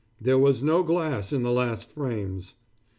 There was no glass in the last frames.